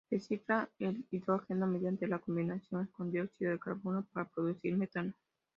Recicla el hidrógeno mediante la combinación con dióxido de carbono para producir metano.